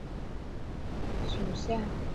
长穗柽柳为柽柳科柽柳属下的一个种。